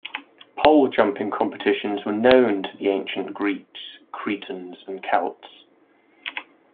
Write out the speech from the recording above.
Pole jumping competitions were known to the ancient Greeks, Cretans and Celts.